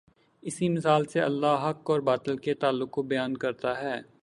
اسی مثال سے اللہ حق اور باطل کے تعلق کو بیان کرتا ہے۔